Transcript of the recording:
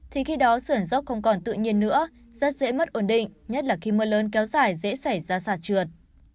thì khi đó sườn dốc không còn tự nhiên nữa rất dễ mất ổn định nhất là khi mưa lớn kéo dài dễ xảy ra sạt trượt